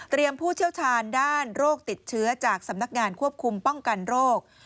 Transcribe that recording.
ผู้เชี่ยวชาญด้านโรคติดเชื้อจากสำนักงานควบคุมป้องกันโรค